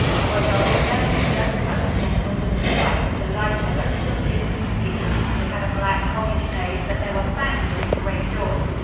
It was of a dirty dun color, mottled and striped with a lighter but still dingy hue. It had a black, hoggish nose, but there were fangs in its great jaws.